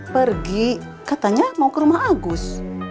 pergi katanya mau ke rumah agus